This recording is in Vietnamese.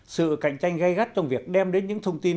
sự cạnh tranh gây gắt trong việc đem đến những thông tin